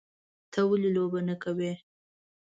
_ته ولې لوبه نه کوې؟